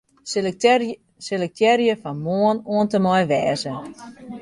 Selektearje fan 'Moarn' oant en mei 'wêze'.